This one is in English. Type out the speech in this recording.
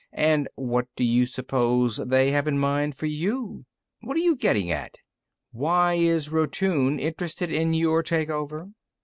And what do you suppose they have in mind for you?" "What are you getting at?" "Why is Rotune interested in your take over?"